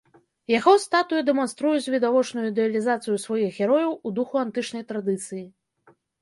Яго статуі дэманструюць відавочную ідэалізацыю сваіх герояў у духу антычнай традыцыі.